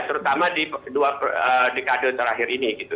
terutama di dua dekade terakhir ini gitu